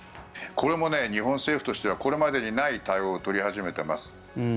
これも日本政府としてはこれまでにない対応を取り始めています。